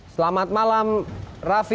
selamat malam raffi